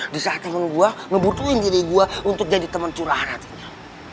di saat temen gue ngebutuhin diri gue untuk jadi temen curahan hatinya